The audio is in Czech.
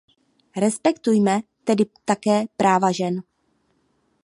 Respektujme tedy také práva žen.